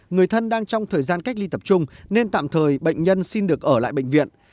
người thân đang trong thời gian cách ly tập trung nên tạm thời bệnh nhân xin được ở lại bệnh viện